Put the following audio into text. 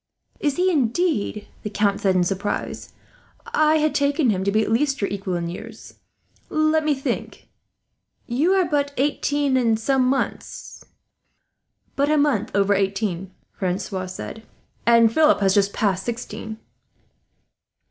"Is he indeed!" the Count said in surprise. "I had taken him to be at least your equal in years. Let me think, you are but eighteen and some months?" "But a month over eighteen," Francois said, "and Philip has but just passed sixteen."